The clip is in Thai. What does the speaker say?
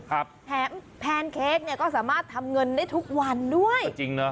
แถมแพนเค้กก็สามารถทำเงินได้ทุกวันด้วย